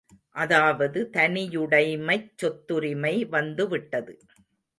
அதாவது தனியுடைமைச் சொத்துரிமை வந்துவிட்டது.